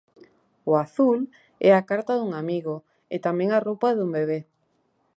O azul é a carta dun amigo, e tamén a roupa dun bebé.